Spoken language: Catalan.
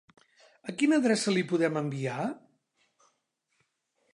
A quina adreça li podem enviar?